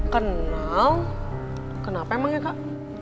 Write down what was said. kenal kenapa emang ya kak